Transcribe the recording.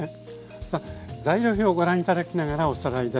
さあ材料表をご覧頂きながらおさらいです。